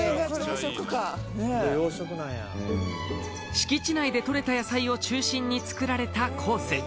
敷地内でとれた野菜を中心に作られたコース